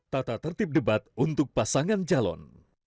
tata tertib debat untuk pasangan calon